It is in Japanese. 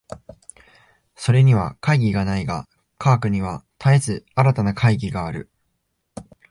それには懐疑がないが、科学には絶えず新たな懐疑がある。